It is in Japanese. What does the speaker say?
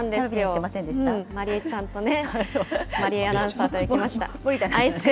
まりえちゃんとね、まりえアナウンサーと行きました。